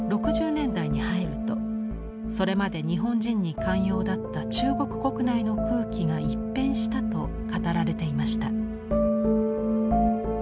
６０年代に入るとそれまで日本人に寛容だった中国国内の空気が一変したと語られていました。